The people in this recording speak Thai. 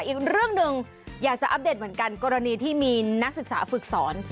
อีกเรื่องหนึ่งอยากจะอัปเดตเหมือนกันกรณีที่มีนักศึกษาฝึกสอน